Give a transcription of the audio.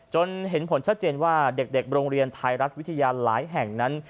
จนเห็นผลชัดเจนว่าเด็กโรงเรียนไทยรัฐวิทยาหลายแห่งนั้น